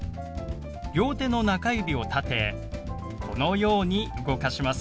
両手の中指を立てこのように動かします。